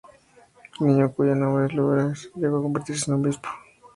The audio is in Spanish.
El niño, cuyo nombre era Luger, llegó a convertirse en obispo.